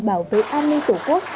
bảo vệ an ninh tổ quốc